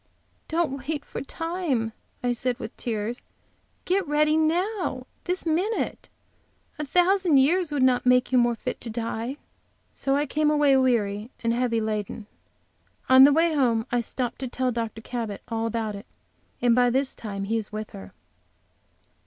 "Don't wait for time," I said, with tears, "get ready now, this minute. A thousand years would not make you more fit to die." So I came away, weary and heavy laden, and on the way home stopped to tell Dr. Cabot all about it, and by this time he is with her.